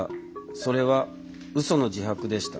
それは嘘の自白でした。